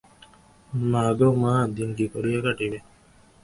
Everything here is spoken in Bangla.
মা গো মা, দিন কী করিয়া কাটিবে।